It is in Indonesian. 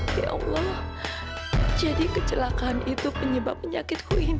ya allah jadi kecelakaan itu penyebab penyakitku ini